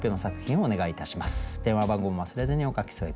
お願いします。